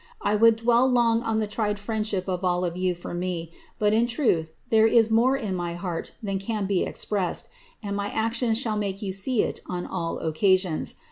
I would dwell long oa the tried friendship of all of you for me ; but in truth there is more in my heart than can be expressed^ and my actions shall make jroa see it on all occasions.